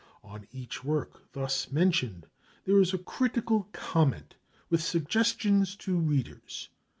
On each work thus mentioned there is a critical comment with suggestions to readers.